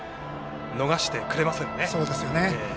逃してくれませんね。